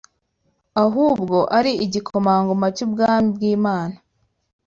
ahubwo ari igikomangoma cy’ubwami bw’Imana.